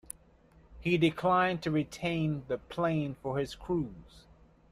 He declined to retain the plane for his crews.